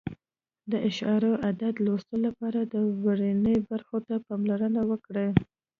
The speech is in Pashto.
د اعشاري عدد لوستلو لپاره د ورنیې برخو ته پاملرنه وکړئ.